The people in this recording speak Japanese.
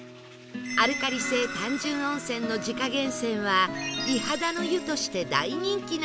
アルカリ性単純温泉の自家源泉は美肌の湯として大人気なんです